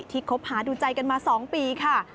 ที่คบหาดูใจกันมาสองปีค่ะ